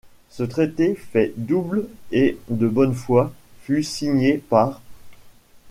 Ce traité, fait double et de bonne foi, fut signé par